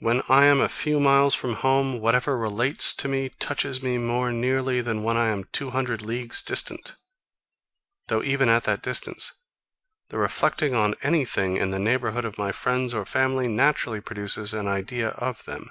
When I am a few miles from home, whatever relates to it touches me more nearly than when I am two hundred leagues distant; though even at that distance the reflecting on any thing in the neighbourhood of my friends or family naturally produces an idea of them.